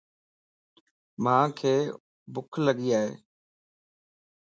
مانک بُکَ لڳي ائي